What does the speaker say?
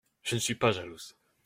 Je ne suis pas jalouse.